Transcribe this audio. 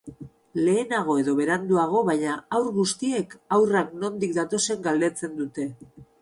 Lehenago edo beranduago baina haur guztiek haurrak nondik datozen galdetzen dute.